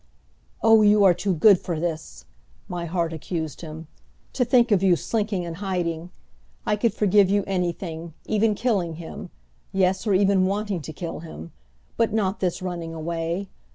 "Oh, you are too good for this!" my heart accused him. "To think of you slinking and hiding! I could forgive you anything, even killing him yes or even wanting to kill him but not this running away!